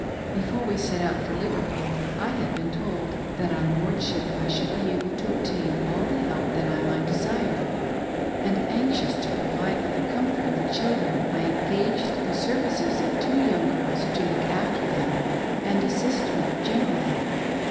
Before we set out for Liverpool, I had been told that on board ship I should be able to obtain all the help that I might desire ; and anxious to provide for the comfort of the children, I engaged the services of two young girls to look after them and assist me generally.